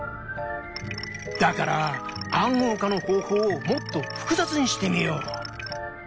だから「暗号化の方法」をもっと複雑にしてみよう。